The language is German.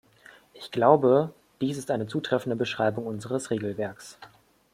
Ich glaube, dies ist eine zutreffende Beschreibung unseres Regelwerks.